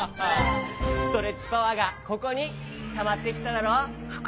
ストレッチパワーがここにたまってきただろ。